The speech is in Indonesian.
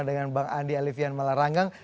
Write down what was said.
dengan bang andi alivian malaranggang